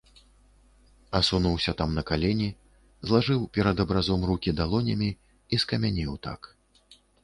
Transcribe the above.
Асунуўся там на калені, злажыў перад абразом рукі далонямі і скамянеў так.